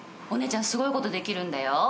お姉ちゃんすごいことできるんだよ。